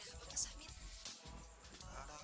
ada apa pun mak